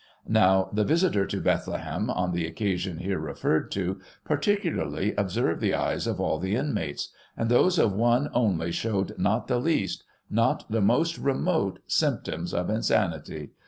Now, the visitor to Bethlehem, on the occasion here refered to, particularly ob served the eyes of all the inmates; and those of one only showed not the least — ^not the most remote symptoms of in sanity.